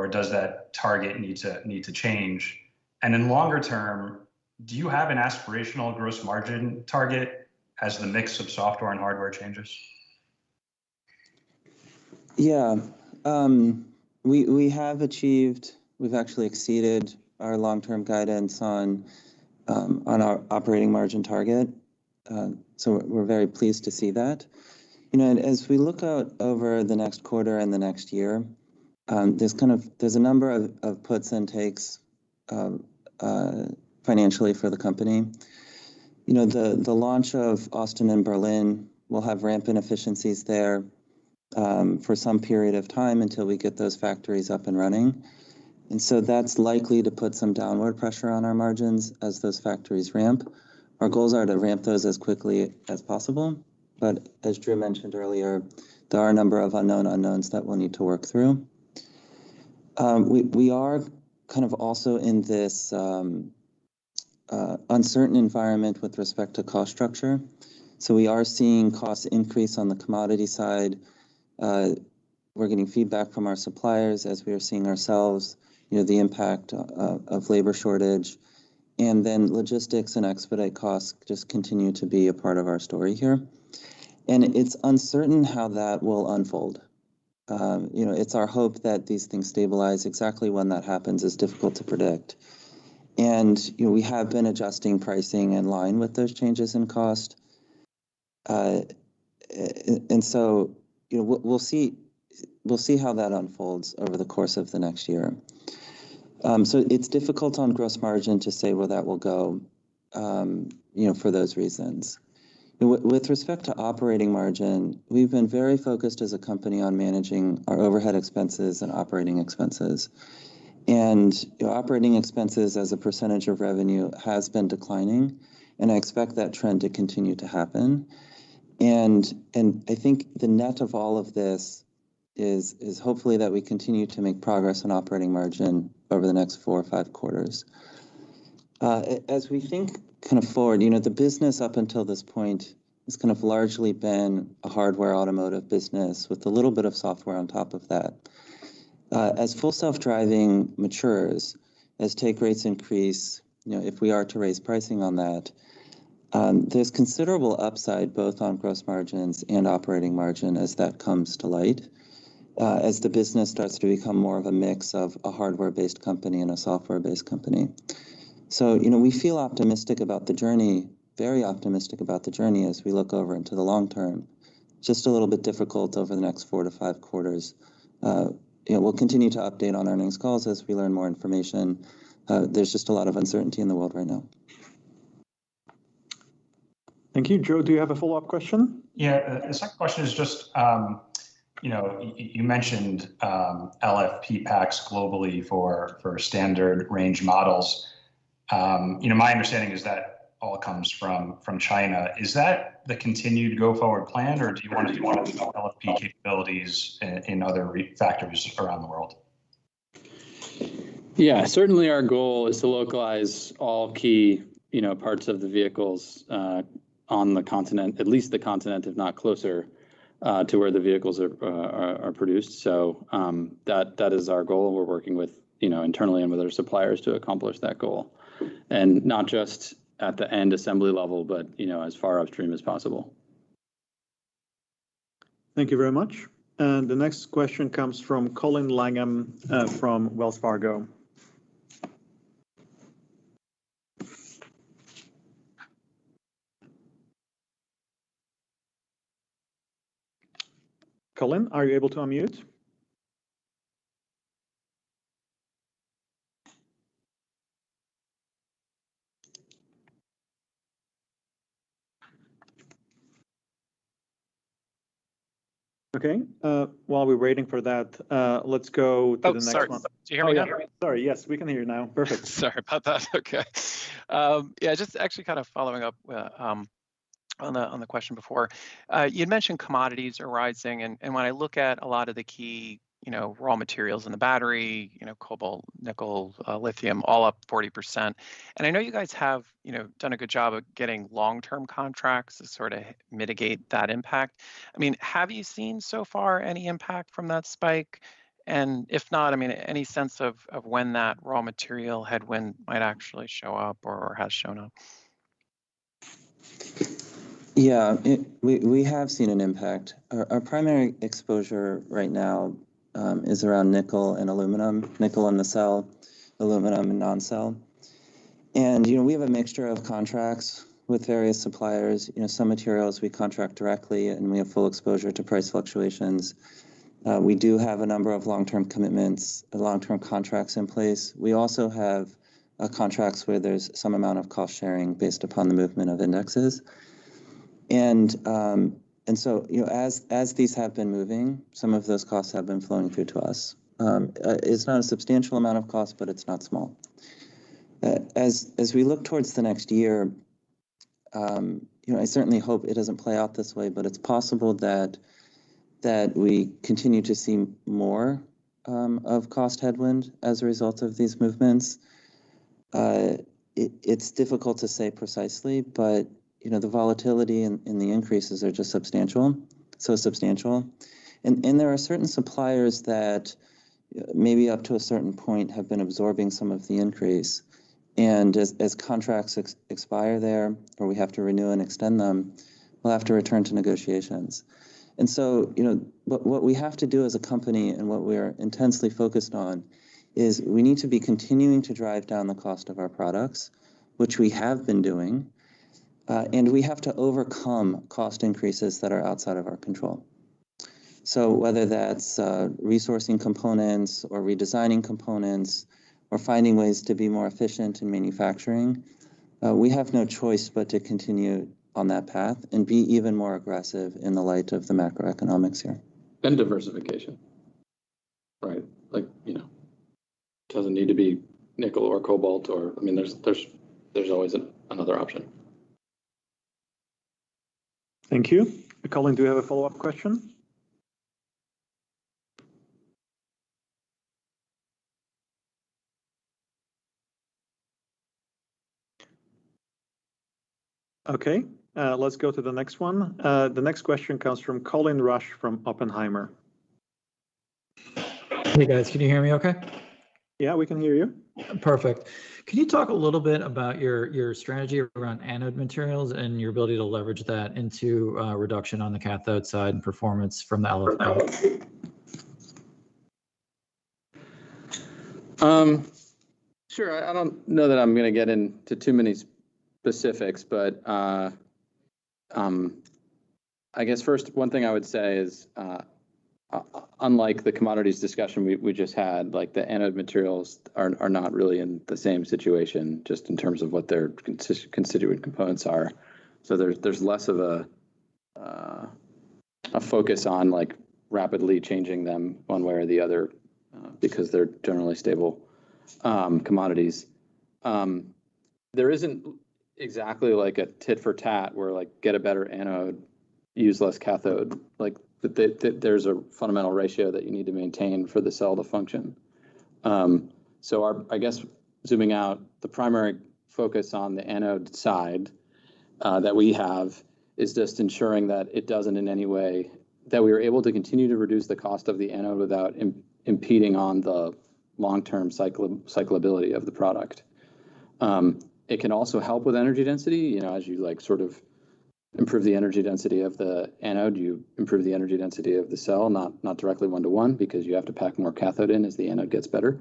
does that target need to change? In longer term, do you have an aspirational gross margin target as the mix of software and hardware changes? Yeah. We have achieved, we've actually exceeded our long-term guidance on our operating margin target. We're very pleased to see that. As we look out over the next quarter and the next year, there's a number of puts and takes financially for the company. The launch of Austin and Berlin, we'll have ramp inefficiencies there for some period of time until we get those factories up and running. That's likely to put some downward pressure on our margins as those factories ramp. Our goals are to ramp those as quickly as possible, as Drew mentioned earlier, there are a number of unknown unknowns that we'll need to work through. We are also in this uncertain environment with respect to cost structure, we are seeing costs increase on the commodity side. We're getting feedback from our suppliers as we are seeing ourselves, the impact of labor shortage, then logistics and expedite costs just continue to be a part of our story here. It's uncertain how that will unfold. It's our hope that these things stabilize. Exactly when that happens is difficult to predict. We have been adjusting pricing in line with those changes in cost. We'll see how that unfolds over the course of the next year. It's difficult on gross margin to say where that will go for those reasons. With respect to operating margin, we've been very focused as a company on managing our overhead expenses and operating expenses. Operating expenses as a percentage of revenue has been declining, and I expect that trend to continue to happen. I think the net of all of this is hopefully that we continue to make progress on operating margin over the next four or five quarters. As we think forward, the business up until this point has largely been a hardware automotive business with a little bit of software on top of that. As Full Self-Driving matures, as take rates increase, if we are to raise pricing on that, there's considerable upside both on gross margins and operating margin as that comes to light, as the business starts to become more of a mix of a hardware-based company and a software-based company. We feel optimistic about the journey, very optimistic about the journey as we look over into the long term. Just a little bit difficult over the next four to five quarters. We'll continue to update on earnings calls as we learn more information. There's just a lot of uncertainty in the world right now. Thank you. Joe, do you have a follow-up question? Yeah. The second question is just, you mentioned LFP packs globally for standard range models. My understanding is that all comes from China. Is that the continued go-forward plan, or do you want to develop LFP capabilities in other factories around the world? Yeah. Certainly, our goal is to localize all key parts of the vehicles on the continent, at least the continent, if not closer to where the vehicles are produced. That is our goal, and we're working internally and with our suppliers to accomplish that goal. Not just at the end assembly level, but as far upstream as possible. Thank you very much. The next question comes from Colin Langan from Wells Fargo. Colin, are you able to unmute? Okay. While we're waiting for that, let's go to the next one. Oh, sorry. Can you hear me? Yeah. Sorry. Yes, we can hear you now. Perfect. Sorry about that. Okay. Yeah, just actually following up on the question before. You'd mentioned commodities are rising. When I look at a lot of the key raw materials in the battery, cobalt, nickel, lithium, all up 40%. I know you guys have done a good job of getting long-term contracts to mitigate that impact. Have you seen so far any impact from that spike? If not, any sense of when that raw material headwind might actually show up or has shown up? Yeah. We have seen an impact. Our primary exposure right now is around nickel and aluminum. Nickel in the cell, aluminum in non-cell. We have a mixture of contracts with various suppliers. Some materials we contract directly, and we have full exposure to price fluctuations. We do have a number of long-term commitments and long-term contracts in place. We also have contracts where there's some amount of cost-sharing based upon the movement of indexes. As these have been moving, some of those costs have been flowing through to us. It's not a substantial amount of cost, but it's not small. As we look towards the next year, I certainly hope it doesn't play out this way, but it's possible that we continue to see more of cost headwind as a result of these movements. It's difficult to say precisely, but the volatility and the increases are just so substantial. There are certain suppliers that maybe up to a certain point have been absorbing some of the increase, and as contracts expire there, or we have to renew and extend them, we'll have to return to negotiations. What we have to do as a company and what we are intensely focused on is we need to be continuing to drive down the cost of our products, which we have been doing. We have to overcome cost increases that are outside of our control. Whether that's resourcing components or redesigning components or finding ways to be more efficient in manufacturing, we have no choice but to continue on that path and be even more aggressive in the light of the macroeconomics here. Diversification, right? It doesn't need to be nickel or cobalt, there's always another option. Thank you. Colin, do we have a follow-up question? Okay, let's go to the next one. The next question comes from Colin Rusch from Oppenheimer. Hey, guys. Can you hear me okay? Yeah, we can hear you. Perfect. Could you talk a little bit about your strategy around anode materials and your ability to leverage that into a reduction on the cathode side and performance from the LFP? Sure. I don't know that I'm going to get into too many specifics, but I guess first one thing I would say is unlike the commodities discussion we just had, the anode materials are not really in the same situation just in terms of what their constituent components are. There's less of a focus on rapidly changing them one way or the other, because they're generally stable commodities. There isn't exactly a tit for tat where get a better anode, use less cathode. There's a fundamental ratio that you need to maintain for the cell to function. I guess zooming out, the primary focus on the anode side that we have is just ensuring that we are able to continue to reduce the cost of the anode without impeding on the long-term cyclability of the product. It can also help with energy density. As you improve the energy density of the anode, you improve the energy density of the cell, not directly one to one, because you have to pack more cathode in as the anode gets better.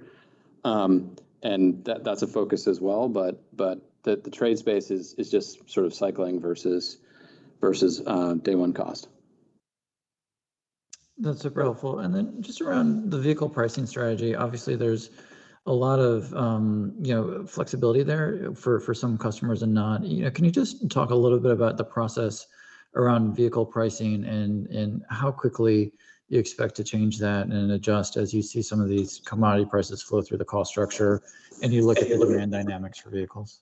That's a focus as well, but the trade space is just sort of cycling versus day one cost. That's super helpful. Then just around the vehicle pricing strategy, obviously there's a lot of flexibility there for some customers and not. Can you just talk a little bit about the process around vehicle pricing and how quickly you expect to change that and adjust as you see some of these commodity prices flow through the cost structure and you look at demand dynamics for vehicles?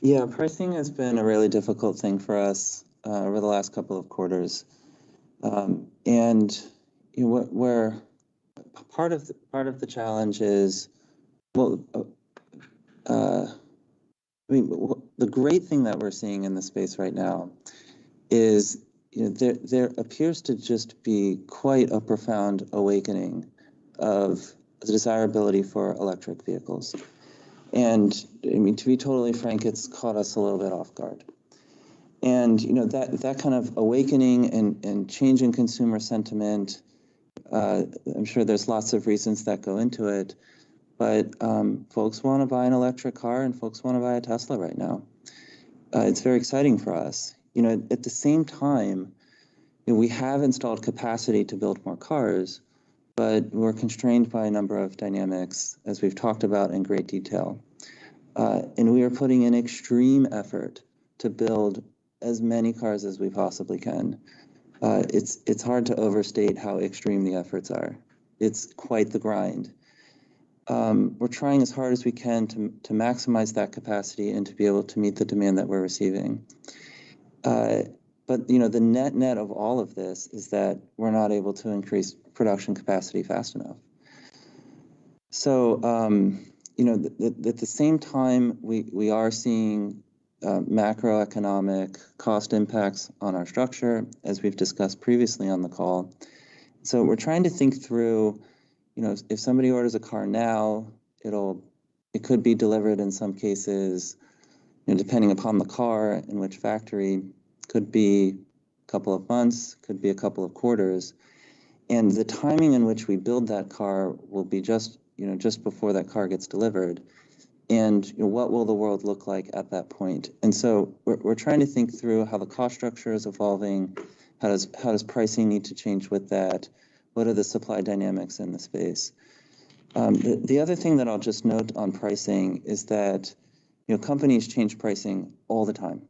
Yeah. Pricing has been a really difficult thing for us over the last two quarters. Part of the challenge is, well, the great thing that we're seeing in the space right now is there appears to just be quite a profound awakening of the desirability for electric vehicles. To be totally frank, it's caught us a little bit off guard. That kind of awakening and change in consumer sentiment, I'm sure there's lots of reasons that go into it, but folks want to buy an electric car and folks want to buy a Tesla right now. It's very exciting for us. At the same time, we have installed capacity to build more cars, but we're constrained by a number of dynamics as we've talked about in great detail. We are putting in extreme effort to build as many cars as we possibly can. It's hard to overstate how extreme the efforts are. It's quite the grind. We're trying as hard as we can to maximize that capacity and to be able to meet the demand that we're receiving. The net-net of all of this is that we're not able to increase production capacity fast enough. At the same time, we are seeing macroeconomic cost impacts on our structure, as we've discussed previously on the call. We're trying to think through if somebody orders a car now, it could be delivered in some cases, depending upon the car, in which factory, could be a couple of months, could be a couple of quarters. The timing in which we build that car will be just before that car gets delivered. What will the world look like at that point? We're trying to think through how the cost structure is evolving. How does pricing need to change with that? What are the supply dynamics in the space? The other thing that I'll just note on pricing is that companies change pricing all the time.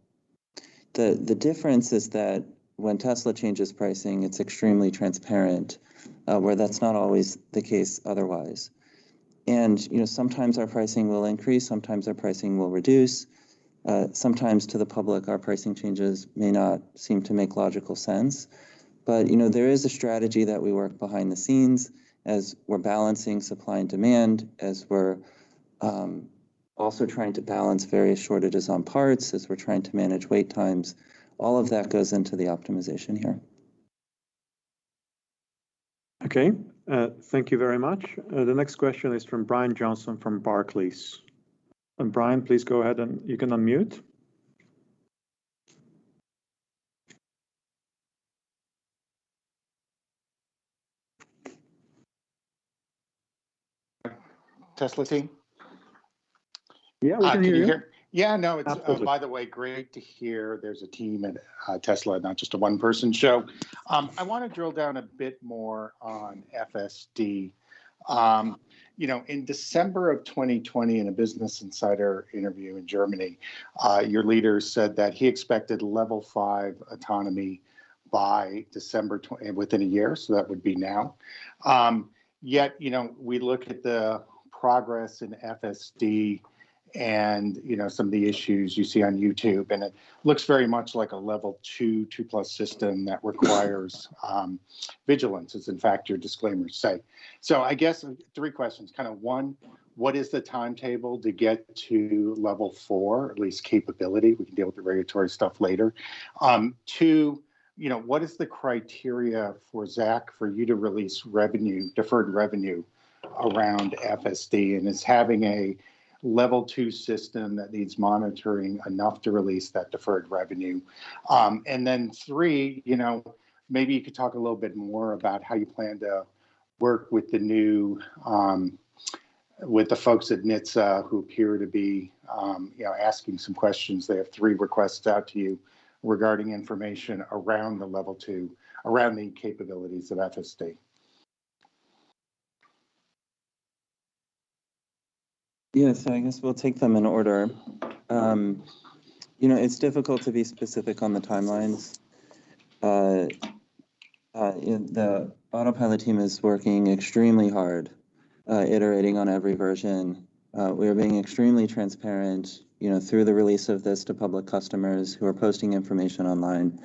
The difference is that when Tesla changes pricing, it's extremely transparent, where that's not always the case otherwise. Sometimes our pricing will increase, sometimes our pricing will reduce. Sometimes to the public, our pricing changes may not seem to make logical sense. There is a strategy that we work behind the scenes as we're balancing supply and demand, as we're also trying to balance various shortages on parts as we're trying to manage wait times. All of that goes into the optimization here. Okay. Thank you very much. The next question is from Brian Johnson from Barclays. Brian, please go ahead, and you can unmute. Tesla team? Yeah, we can hear you. Can you hear? Yeah, no. Absolutely. By the way, great to hear there's a team at Tesla, not just a one-person show. I want to drill down a bit more on FSD. In December of 2020, in a Business Insider interview in Germany, your leader said that he expected Level 5 autonomy by within a year, so that would be now. Yet, we look at the progress in FSD and some of the issues you see on YouTube, and it looks very much like a Level 2+ system that requires vigilance, as in fact your disclaimers say. I guess three questions. One, what is the timetable to get to Level 4, at least capability? We can deal with the regulatory stuff later. Two, what is the criteria for Zach, for you to release deferred revenue around FSD, and is having a Level 2 system that needs monitoring enough to release that deferred revenue? Three, maybe you could talk a little bit more about how you plan to work with the folks at NHTSA who appear to be asking some questions. They have three requests out to you regarding information around the Level 2, around the capabilities of FSD. Yes. I guess we'll take them in order. It's difficult to be specific on the timelines. The Autopilot team is working extremely hard, iterating on every version. We are being extremely transparent through the release of this to public customers who are posting information online.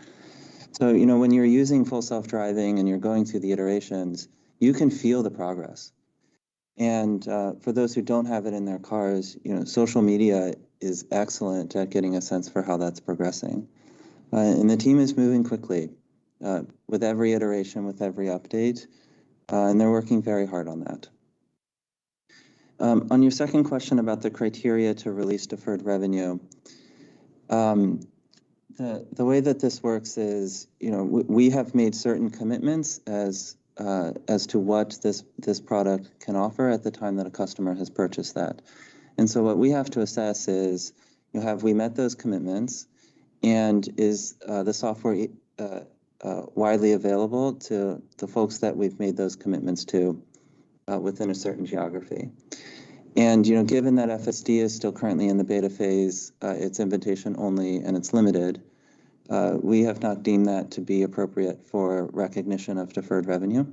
When you're using Full Self-Driving and you're going through the iterations, you can feel the progress. For those who don't have it in their cars, social media is excellent at getting a sense for how that's progressing. The team is moving quickly with every iteration, with every update, and they're working very hard on that. On your second question about the criteria to release deferred revenue, the way that this works is we have made certain commitments as to what this product can offer at the time that a customer has purchased that. What we have to assess is, have we met those commitments, and is the software widely available to the folks that we've made those commitments to within a certain geography? Given that FSD is still currently in the beta phase, it's invitation only and it's limited, we have not deemed that to be appropriate for recognition of deferred revenue.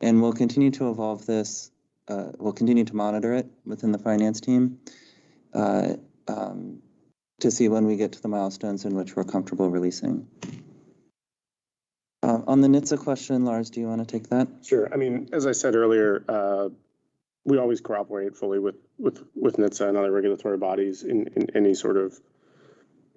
We'll continue to evolve this, we'll continue to monitor it within the finance team to see when we get to the milestones in which we're comfortable releasing. On the NHTSA question, Lars, do you want to take that? Sure. As I said earlier, we always cooperate fully with NHTSA and other regulatory bodies in any sort of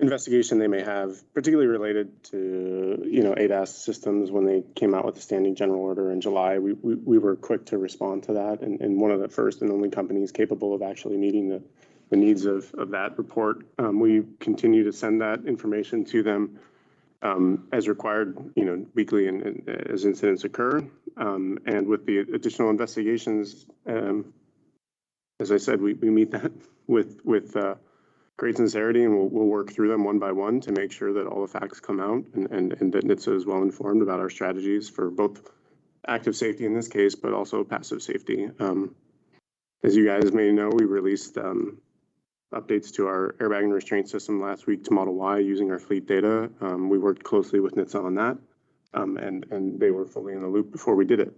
investigation they may have, particularly related to ADAS systems. When they came out with the standing general order in July, we were quick to respond to that, and one of the first and only companies capable of actually meeting the needs of that report. We continue to send that information to them as required weekly and as incidents occur. With the additional investigations, as I said, we meet that with great sincerity, and we'll work through them one by one to make sure that all the facts come out, and that NHTSA is well-informed about our strategies for both active safety in this case, but also passive safety. As you guys may know, we released updates to our airbag and restraint system last week to Model Y using our fleet data. We worked closely with NHTSA on that, and they were fully in the loop before we did it.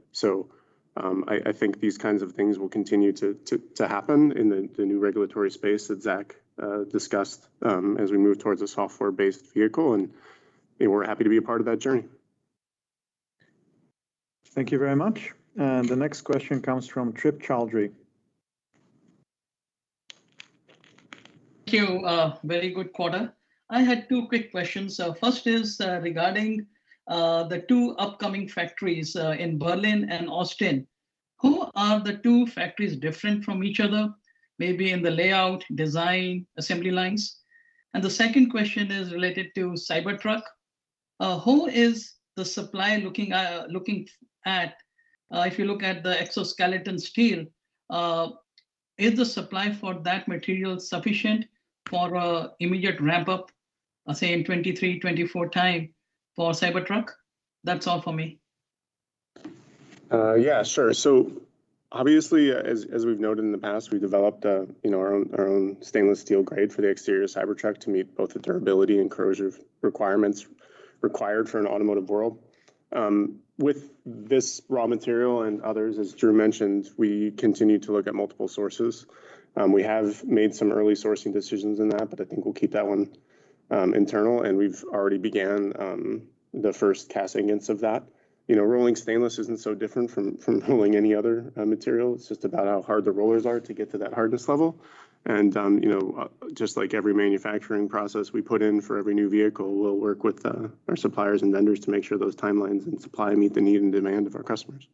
I think these kinds of things will continue to happen in the new regulatory space that Zach discussed as we move towards a software-based vehicle, and we're happy to be a part of that journey. Thank you very much. The next question comes from Trip Chowdhry. Thank you. Very good quarter. I had two quick questions. First is regarding the two upcoming factories in Berlin and Austin. How are the two factories different from each other? Maybe in the layout, design, assembly lines. The second question is related to Cybertruck. Who is the supplier looking at, if you look at the exoskeleton steel, is the supply for that material sufficient for immediate ramp-up, say in 2023, 2024 time for Cybertruck? That's all for me. Yeah, sure. Obviously, as we've noted in the past, we developed our own stainless steel grade for the exterior Cybertruck to meet both the durability and corrosive requirements required for an automotive world. With this raw material and others, as Drew mentioned, we continue to look at multiple sources. We have made some early sourcing decisions in that, I think we'll keep that one internal. We've already began the first cast ingots of that. Rolling stainless isn't so different from rolling any other material. It's just about how hard the rollers are to get to that hardness level. Just like every manufacturing process we put in for every new vehicle, we'll work with our suppliers and vendors to make sure those timelines and supply meet the need and demand of our customers.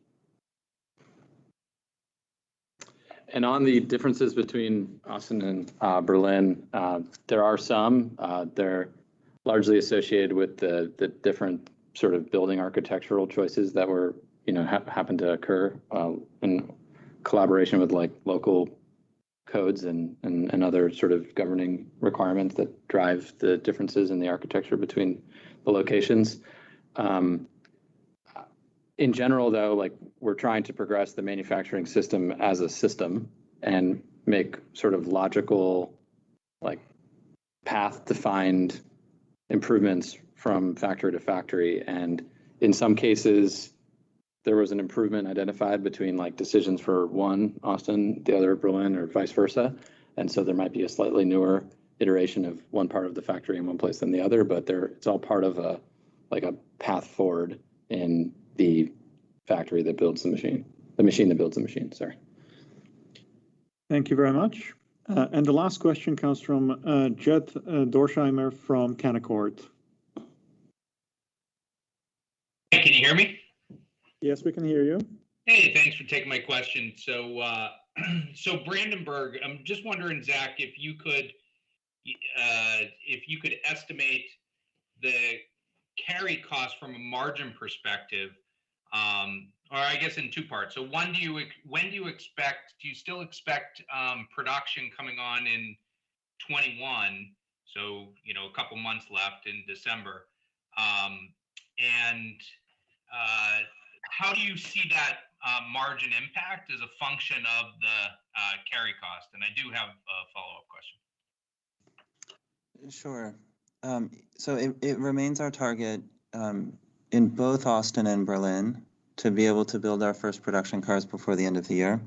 On the differences between Austin and Berlin, there are some. They're largely associated with the different building architectural choices that happened to occur in collaboration with local codes and other governing requirements that drive the differences in the architecture between the locations. In general, though, we're trying to progress the manufacturing system as a system and make logical, path-defined improvements from factory to factory. In some cases, there was an improvement identified between decisions for one, Austin, the other, Berlin, or vice versa. There might be a slightly newer iteration of one part of the factory in one place than the other, but it's all part of a path forward in the factory that builds the machine. The machine that builds the machine, sorry. Thank you very much. The last question comes from Jed Dorsheimer from Canaccord. Can you hear me? Yes, we can hear you. Hey, thanks for taking my question. Brandenburg, I'm just wondering, Zach, if you could estimate the carry cost from a margin perspective, or I guess in two parts. One, do you still expect production coming on in 2021, so a couple of months left in December? How do you see that margin impact as a function of the carry cost? I do have a follow-up question. Sure. It remains our target in both Austin and Berlin to be able to build our first production cars before the end of the year.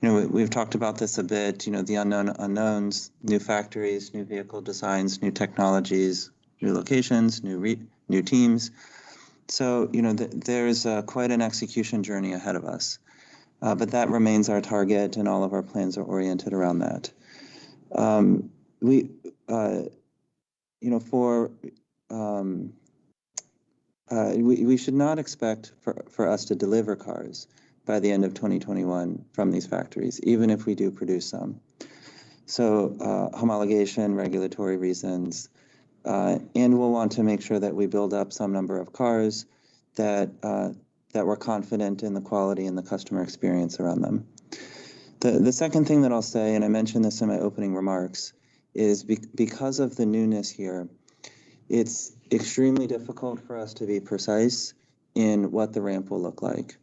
We've talked about this a bit, the unknowns, new factories, new vehicle designs, new technologies, new locations, new teams. There's quite an execution journey ahead of us. That remains our target, and all of our plans are oriented around that. We should not expect for us to deliver cars by the end of 2021 from these factories, even if we do produce some. Homologation, regulatory reasons, and we'll want to make sure that we build up some number of cars that we're confident in the quality and the customer experience around them. The second thing that I'll say, and I mentioned this in my opening remarks, is because of the newness here, it's extremely difficult for us to be precise in what the ramp will look like.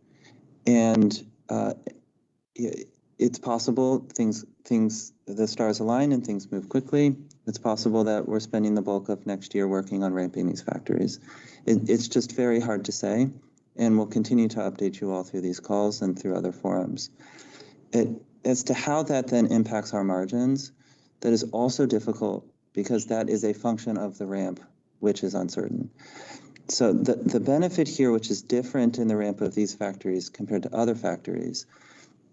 It's possible the stars align and things move quickly. It's possible that we're spending the bulk of next year working on ramping these factories. It's just very hard to say, and we'll continue to update you all through these calls and through other forums. As to how that then impacts our margins, that is also difficult because that is a function of the ramp, which is uncertain. The benefit here, which is different in the ramp of these factories compared to other factories,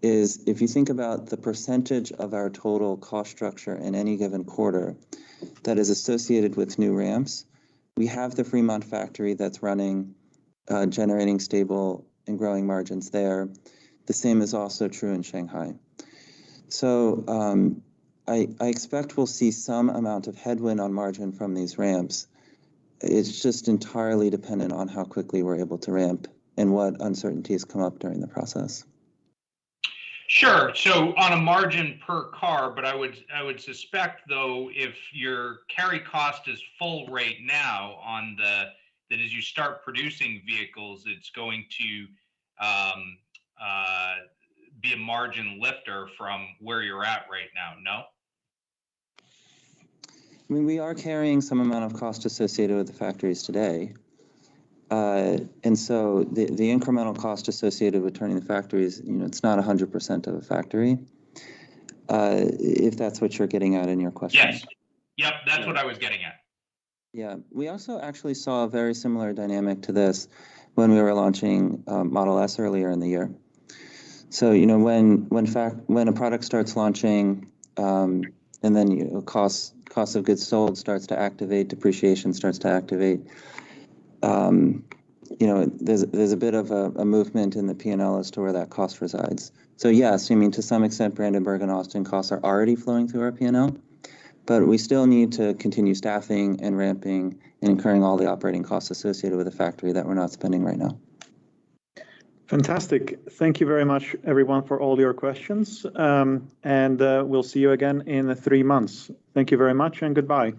is if you think about the percentage of our total cost structure in any given quarter that is associated with new ramps. We have the Fremont factory that's running, generating stable and growing margins there. The same is also true in Shanghai. I expect we'll see some amount of headwind on margin from these ramps. It's just entirely dependent on how quickly we're able to ramp and what uncertainties come up during the process. Sure. On a margin per car, but I would suspect, though, if your carry cost is full right now, that as you start producing vehicles, it is going to be a margin lifter from where you are at right now, no? We are carrying some amount of cost associated with the factories today. The incremental cost associated with turning the factories, it's not 100% of a factory. If that's what you're getting at in your question. Yes. Yep, that's what I was getting at. Yeah. We also actually saw a very similar dynamic to this when we were launching Model S earlier in the year. When a product starts launching, and then cost of goods sold starts to activate, depreciation starts to activate, there's a bit of a movement in the P&L as to where that cost resides. Yes, you mean to some extent, Brandenburg and Austin costs are already flowing through our P&L. We still need to continue staffing and ramping and incurring all the operating costs associated with the factory that we're not spending right now. Fantastic. Thank you very much, everyone, for all your questions. We'll see you again in three months. Thank you very much, and goodbye.